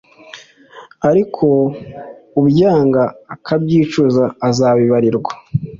ariko ubyanga akabyicuza, azababarirwa